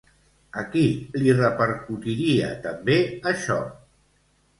A qui li repercutiria també això?